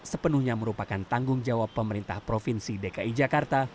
sepenuhnya merupakan tanggung jawab pemerintah provinsi dki jakarta